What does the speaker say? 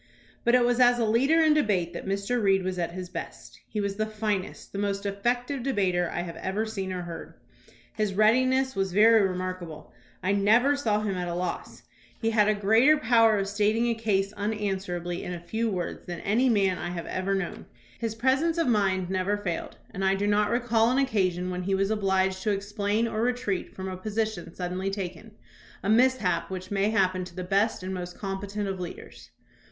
But it was as a leader in debate that Mr. Reed was at his best. He was the finest, the most effective de bater that I have ever seen or heard. His readiness was very remarkable. I never saw him at a loss. He 198 THOMAS BRACKETT REED had a greater power of stating a case unanswerably in a few words than any man I have ever known. His presence of mind never failed, and I do not recall an occasion when he was obliged to explain or retreat from a position suddenly taken, a mishap which may happen to the best and most competent of leaders.